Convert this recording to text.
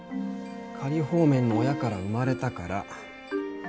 仮放免の親から生まれたから。